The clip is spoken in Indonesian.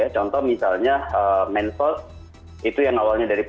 contoh misalnya menfos itu yang awalnya dari pdpj